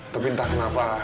tapi entah kenapa